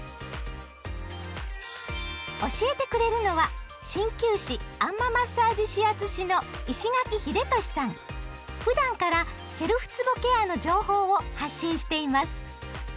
教えてくれるのは鍼灸師あん摩マッサージ指圧師のふだんからセルフつぼケアの情報を発信しています。